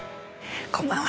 こんばんは。